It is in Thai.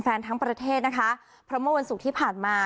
เพราะเมื่อวันศุกร์ที่ผ่านมา